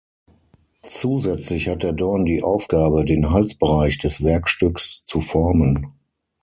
Zusätzlich hat der Dorn die Aufgabe, den Halsbereich des Werkstücks zu formen.